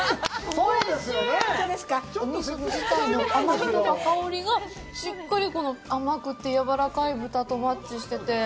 お味噌自体の甘みとか香りがしっかり、この甘くてやわらかい豚とマッチしてて。